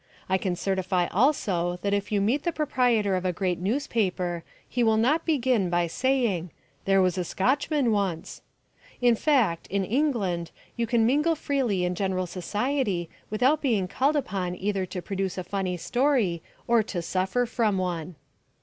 I can certify also that if you meet the proprietor of a great newspaper he will not begin by saying, "There was a Scotchman once." In fact, in England, you can mingle freely in general society without being called upon either to produce a funny story or to suffer from one.